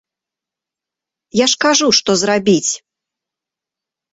Я ж кажу, што зрабіць!